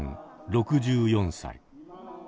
６４歳。